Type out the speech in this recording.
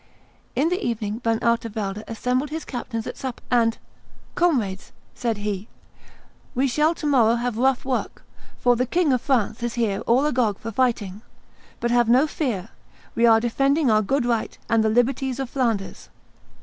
In the evening Van Artevelde assembled his captains at supper, and, "Comrades," said he, "we shall to morrow have rough work, for the King of France is here all agog for fighting. But have no fear; we are defending our good right and the liberties of Flanders.